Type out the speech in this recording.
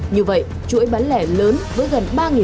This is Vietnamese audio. như vậy chuỗi bán lẻ lớn với gần ba tỷ đồng